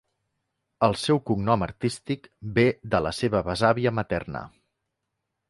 El seu cognom artístic ve de la seva besàvia materna.